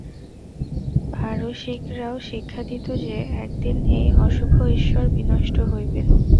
পারসীকরাও শিক্ষা দিত যে, একদিন এই অশুভ ঈশ্বর বিনষ্ট হইবেন।